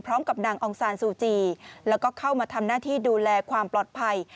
พร้อมกับนางองซานซูจีแล้วก็เข้ามาทำหน้าที่ดูแลความปลอดภัย